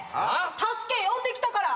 助け呼んできたから！